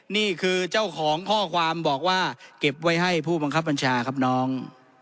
นี่คือเจ้าของข้อความบอกว่าเก็บไว้ให้ผู้บังคับบัญชาครับน้อง